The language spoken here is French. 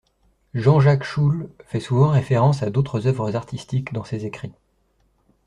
Jean-Jacques Schuhl fait souvent référence à d'autres œuvres artistiques dans ses écrits.